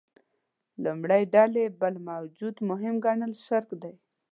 لومړۍ ډلې بل موجود مهم ګڼل شرک دی.